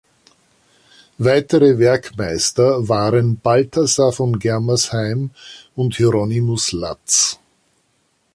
Weitere Werkmeister waren Balthasar von Germersheim und Hieronymus Latz.